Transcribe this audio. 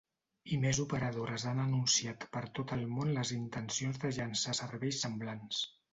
I més operadores han anunciat per tot el món les intencions de llançar serveis semblants.